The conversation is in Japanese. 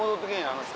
あの人。